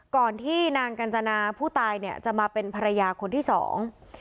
ก่อนที่นางกัญจนาผู้ตายเนี่ยจะมาเป็นภรรยาคนที่สอง